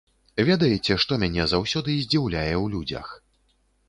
Ведаеце, што мяне заўсёды здзіўляе ў людзях?